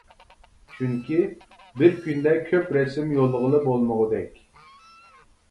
چۈنكى، بىر كۈندە كۆپ رەسىم يوللىغىلى بولمىغۇدەك!